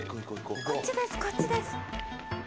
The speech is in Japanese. こっちですこっちです。